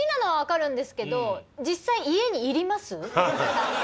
実際。